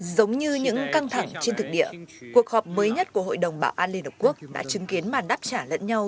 giống như những căng thẳng trên thực địa cuộc họp mới nhất của hội đồng bảo an liên hợp quốc đã chứng kiến màn đáp trả lẫn nhau